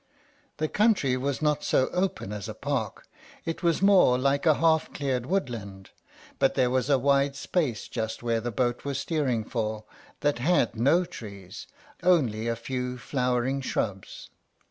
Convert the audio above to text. The country was not so open as a park, it was more like a half cleared woodland; but there was a wide space just where the boat was steering for, that had no trees, only a few flowering shrubs.